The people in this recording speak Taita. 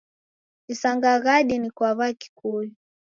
Isanga ghadi ni kwa w'akikuyu.